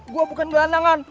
gua bukan gelandangan